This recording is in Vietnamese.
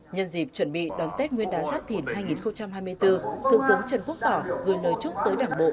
nhân dịp chuẩn bị đón tết nguyên đán giáp thìn hai nghìn hai mươi bốn thượng tướng trần quốc tỏ gửi lời chúc tới đảng bộ